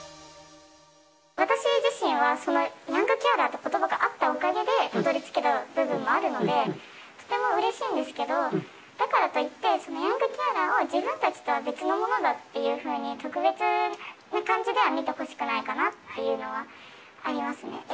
私自身はヤングケアラーということばがあったおかげで、たどりつけた部分もあるので、とてもうれしいんですけど、だからといって、ヤングケアラーを、自分たちとは別のものだっていうふうに特別な感じでは見てほしくないかなっていうのはありますね。